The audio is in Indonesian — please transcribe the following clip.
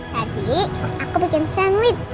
tadi aku bikin sandwich